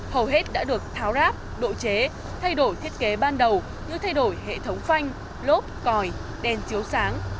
hầu hết đã được tháo ráp độ chế thay đổi thiết kế ban đầu như thay đổi hệ thống phanh lốp còi đèn chiếu sáng